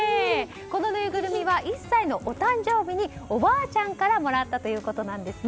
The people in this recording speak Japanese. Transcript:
このぬいぐるみは１歳のお誕生日におばあちゃんからもらったということなんです。